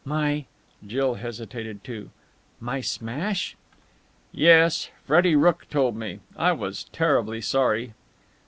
"My " Jill hesitated too. "My smash?" "Yes. Freddie Rooke told me. I was terribly sorry."